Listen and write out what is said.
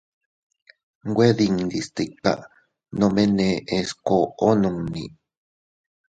Nwe dindi stika, nome neʼes koʼo nunni.